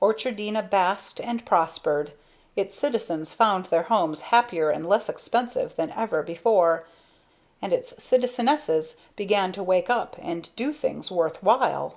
Orchardina basked and prospered; its citizens found their homes happier and less expensive than ever before, and its citizenesses began to wake up and to do things worth while.